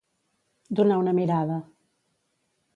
Donar una mirada.